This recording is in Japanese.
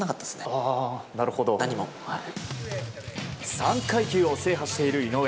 ３階級を制覇している井上。